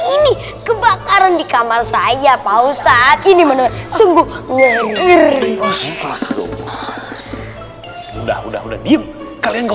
ini kebakaran di kamar saya pausat ini menurut sungguh udah udah udah udah diem kalian nggak